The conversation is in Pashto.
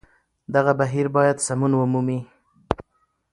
دغه بهير بايد سمون ومومي